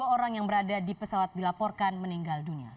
dua orang yang berada di pesawat dilaporkan meninggal dunia